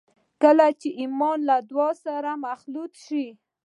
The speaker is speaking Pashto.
کله چې ایمان له دعا سره مخلوط شي